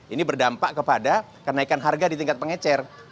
ini berdampak kepada kenaikan harga di tingkat pengecer